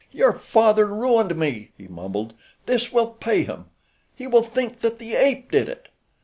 "Your father ruined me," he mumbled. "This will pay him. He will think that the ape did it.